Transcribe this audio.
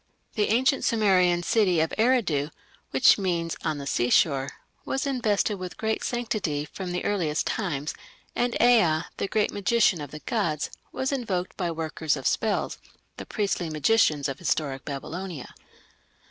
The ancient Sumerian city of Eridu, which means "on the seashore", was invested with great sanctity from the earliest times, and Ea, the "great magician of the gods", was invoked by workers of spells, the priestly magicians of historic Babylonia.